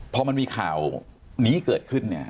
พอมันมีข่าวนี้เกิดขึ้นเนี่ย